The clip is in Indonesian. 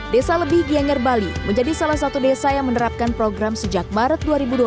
desa lebih gianger bali menjadi salah satu desa yang menerapkan program sejak maret dua ribu dua puluh